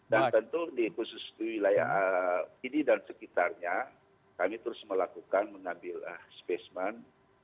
dan tentu di khusus wilayah ini dan sekitarnya kami terus melakukan menambil spesmen